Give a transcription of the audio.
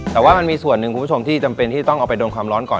แต่ว่ามันมีส่วนหนึ่งคุณผู้ชมที่จำเป็นที่ต้องเอาไปโดนความร้อนก่อน